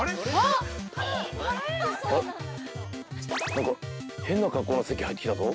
◆なんか、変な格好の関が入ってきたぞ。